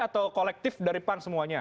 atau kolektif dari pan semuanya